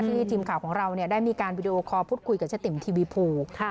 ที่ทีมข่าวของเราเนี่ยได้มีการวีดีโอคอล์พูดคุยกับชะติ่มทีวีโพลก